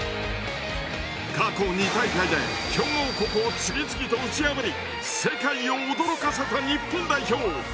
過去２大会で強豪国を次々と打ち破り世界を驚かせた日本代表。